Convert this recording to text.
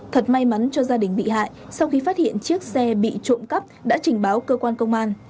thật may mắn cho gia đình bị hại sau khi phát hiện chiếc xe bị trộm cắp đã trình báo cơ quan công an